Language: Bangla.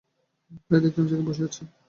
প্রায়ই দেখতাম জেগে বসে আছে।